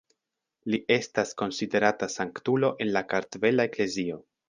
Li estas konsiderata sanktulo en la Kartvela Eklezio.